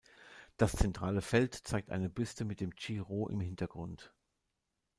Das zentrale Feld zeigt eine Büste mit dem Chi-Rho im Hintergrund.